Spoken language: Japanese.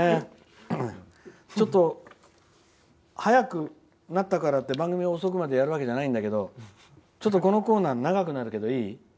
ちょっと早くなったからって番組、遅くまでやるわけじゃないんだけどこのコーナー長くなるけどいい。